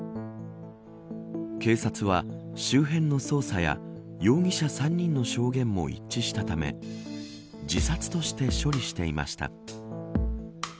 警察は周辺の捜査や容疑者３人の証言も一致したため自殺として処理していました。